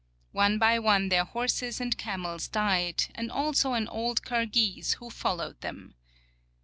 One by one their horses and camels died, and also an old Kirgese who followed them.